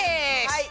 はい。